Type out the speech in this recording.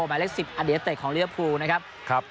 หมายเลข๑๐อเดียเตะของเรียภูนะครับ